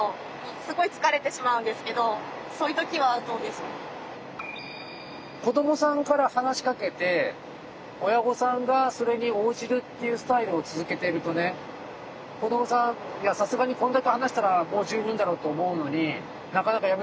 今のように子どもさんから話しかけて親御さんがそれに応じるっていうスタイルを続けているとね子どもさんいやさすがにこんだけ話したらもう十分だろうと思うのに